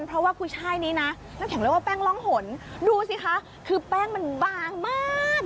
เพราะว่ากุช่ายนี้นะน้ำแข็งเรียกว่าแป้งร่องหนดูสิคะคือแป้งมันบางมาก